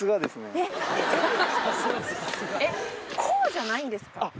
こうじゃないんですか？